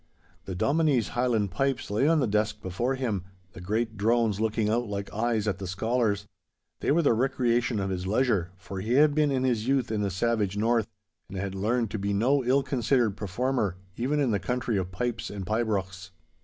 The dominie's Highland pipes lay on the desk before him, the great drones looking out like eyes at the scholars. They were the recreation of his leisure, for he had been in his youth in the savage North, and had learned to be no ill considered performer even in the country of pipes and pibrochs.